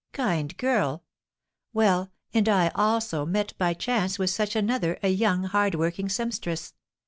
"Kind girl! Well, and I, also, met by chance with such another, a young, hard working sempstress.